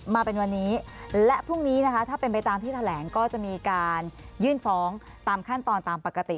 มาเป็นวันนี้และพรุ่งนี้นะคะถ้าเป็นไปตามที่แถลงก็จะมีการยื่นฟ้องตามขั้นตอนตามปกติ